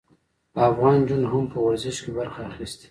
افغان نجونو هم په ورزش کې برخه اخیستې.